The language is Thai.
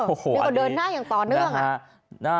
โอ้โหนี่ก็เดินหน้าอย่างต่อเนื่อง